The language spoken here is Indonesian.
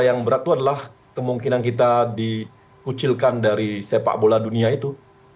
yang berat itu adalah kemungkinan kita dikucilkan dari sepak bola dunia itu